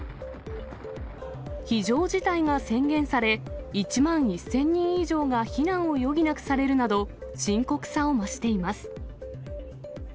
非常事態が宣言され、１万１０００人以上が避難を余儀なくされるなど、深刻さを増しています。